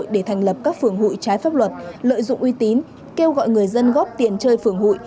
để thành lập các phưởng hội trái pháp luật lợi dụng uy tín kêu gọi người dân góp tiền chơi phưởng hội